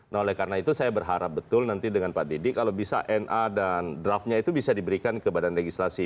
nah oleh karena itu saya berharap betul nanti dengan pak didi kalau bisa na dan draftnya itu bisa diberikan ke badan legislasi